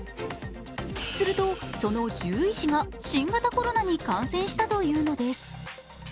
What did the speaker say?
すると、その獣医師が新型コロナに感染したというのです。